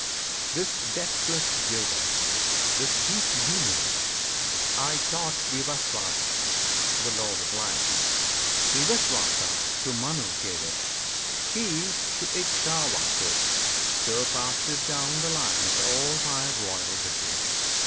This deathless Yoga, this deep union, I taught Vivaswata,[FN#6] the Lord of Light; Vivaswata to Manu gave it; he To Ikshwaku; so passed it down the line Of all my royal Rishis.